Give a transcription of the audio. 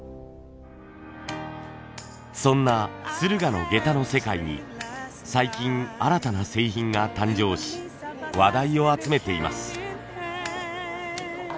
そんな駿河の下駄の世界に最近新たな製品が誕生し話題を集めています。